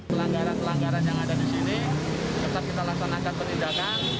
pelanggaran pelanggaran yang ada di sini tetap kita laksanakan penindakan